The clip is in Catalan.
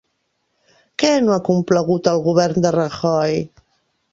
Què no ha complagut al govern de Rajoy?